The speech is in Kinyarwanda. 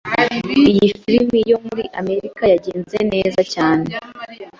Iyo firime yo muri Amerika yagenze neza cyane.